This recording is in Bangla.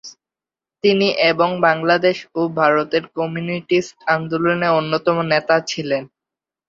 তিনি এবং বাংলাদেশ ও ভারতের কমিউনিস্ট আন্দোলনের অন্যতম নেতা ছিলেন।